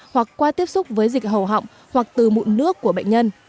hoặc qua tiếp xúc với dịch hầu họng hoặc từ mụn nước của bệnh nhân